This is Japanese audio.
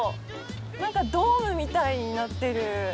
なんかドームみたいになってる。